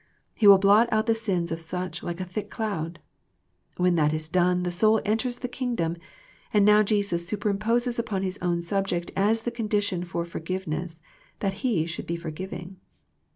He will blot out the sins of such like a thick cloud. When that is done the soul enters the Kingdom, and now Jesus superimposes upon His own subject as the condition for forgiveness that he should be forgiving.